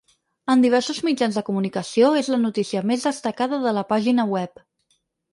En diversos mitjans de comunicació és la notícia més destacada de la pàgina web.